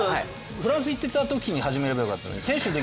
フランス行ってたときに始めればよかったのに。